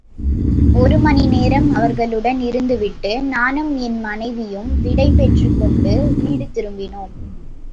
ஒருமணி நேரம் அவர்களுடன் இருந்துவிட்டு நானும் என் மனைவியும் விடை பெற்றுக்கொண்டு வீடு திரும்பினோம்.